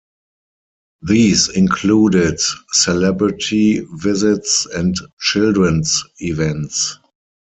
These included celebrity visits and children's events.